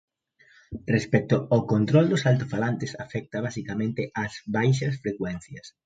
Respecto ao control dos altofalantes afecta basicamente ás baixas frecuencias.